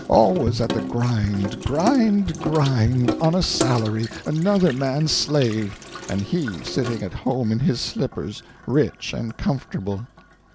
Always at the grind, grind, grind, on a salary another man's slave, and he sitting at home in his slippers, rich and comfortable."